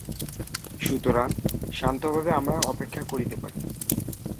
সুতরাং শান্তভাবে আমরা অপেক্ষা করিতে পারি।